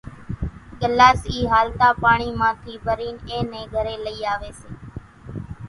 ڳلاس اِي ھالتا پاڻي مان ٿي ڀرين اين نين گھرين لئي آوي سي